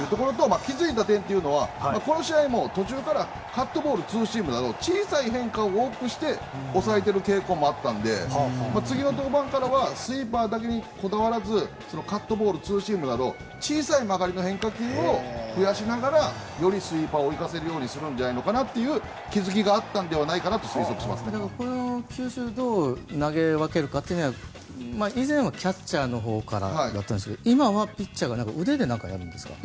気づいた点というのはこの試合も途中からカットボール、ツーシームなど小さい変化を大きくして抑えている傾向もあったので次の登板からはスイーパーだけにこだわらずカットボール、ツーシームなど小さい曲がりの変化球を増やしながらよりスイーパーを生かせるようにするんじゃないかなという球種をどう投げ分けるかは以前はキャッチャーからでしたが今はピッチャー腕でやるんですか？